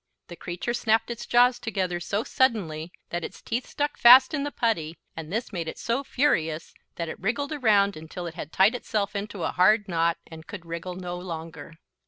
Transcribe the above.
The creature snapped its jaws together so suddenly that its teeth stuck fast in the putty, and this made it so furious that it wriggled around until it had tied itself into a hard knot, and could wriggle no longer.